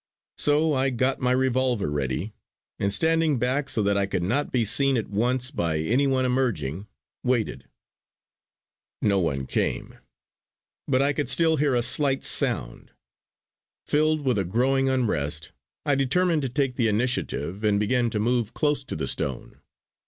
So I got my revolver ready; and standing back so that I could not be seen at once by any one emerging, waited. No one came; but I could still hear a slight sound. Filled with a growing unrest, I determined to take the initiative, and began to move close to the stone.